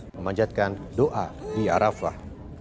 memanjatkan doa di arafah